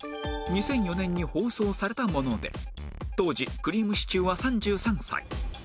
２００４年に放送されたもので当時くりぃむしちゅーは３３歳